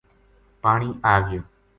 پانی آ گیو